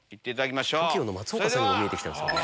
ＴＯＫＩＯの松岡さんにも見えてきたんですよね。